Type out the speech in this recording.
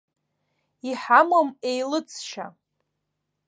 Иҳамам еилыҵшьа!